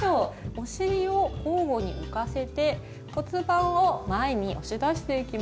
おしりを交互に浮かせて骨盤を前に押し出していきます。